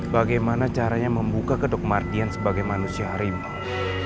bagaimana caranya membuka kedokmartian sebagai manusia harimau